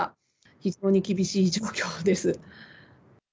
非常に厳しい状況です。